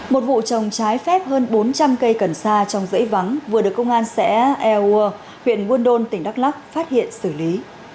một vụ trồng trái phép hơn bốn trăm linh cây cần sa trong dãy vắng vừa được công an xẻ eoa huyện quân đôn tỉnh đắk lắk phát hiện xử lý